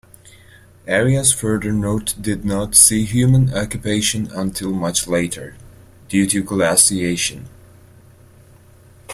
Areas further north did not see human occupation until much later, due to glaciation.